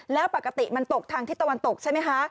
แล้วปกติมันตกทางทิศตะวันตกใช่ไหมคะ